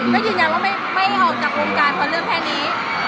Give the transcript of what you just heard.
เพราะฉะนั้นเราไม่ออกจากโรงการเพราะเรื่องแค่นี้